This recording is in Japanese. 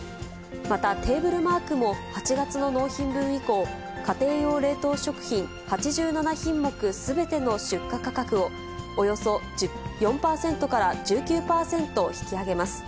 また、テーブルマークも８月の納品分以降、家庭用冷凍食品８７品目すべての出荷価格をおよそ４％から１９％引き上げます。